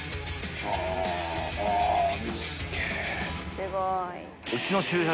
すごい。